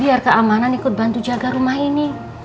biar keamanan ikut bantu jaga rumah ini